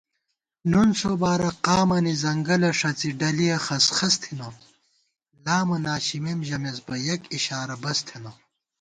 نُنسوبارہ قامَنی ځنگَلہ ݭڅی ڈلِیَہ خَسخَس تھنہ * لامہ ناشِمېم ژَمېس بہ یَک اِشارہ بس تھنہ